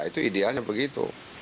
itu idealnya begitu